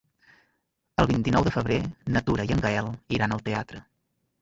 El vint-i-nou de febrer na Tura i en Gaël iran al teatre.